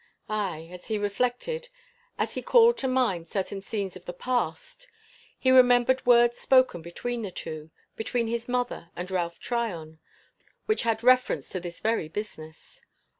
Aye as he reflected as he called to mind certain scenes of the past, he remembered words spoken between the two between his mother and Ralph Tryon which had reference to this very business.